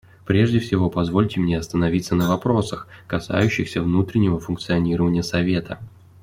Прежде всего позвольте мне остановиться на вопросах, касающихся внутреннего функционирования Совета.